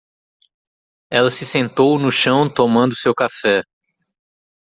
Ela se sentou no chão tomando seu café.